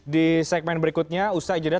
di segmen berikutnya ustaz ijadah